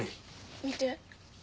見て。